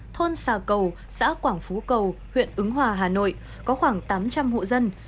thôn xà cầu xã quảng phú cầu huyện ứng hòa hà nội có khoảng tám trăm linh hộ dân